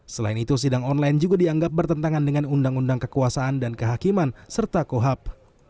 selain itu sidang online juga dianggap bertentangan dengan undang undang kekuasaan dan kehakiman serta kohab